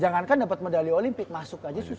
jangankan dapat medali olimpik masuk aja susah